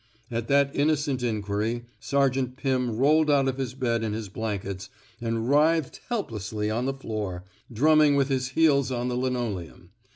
At that innocent inquiry, Sergeant Pirn rolled out of his bed in his blanket^ and writhed helplessly on the floor, drumming with his heels on the linoleum.